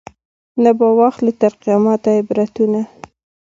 نه به واخلي تر قیامته عبرتونه